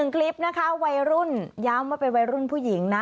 คลิปนะคะวัยรุ่นย้ำว่าเป็นวัยรุ่นผู้หญิงนะ